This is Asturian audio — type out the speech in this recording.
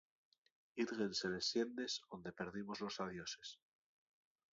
Írguense les siendes onde perdimos los adioses.